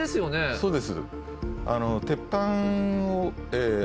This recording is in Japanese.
そうです。